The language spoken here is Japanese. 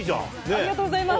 ありがとうございます。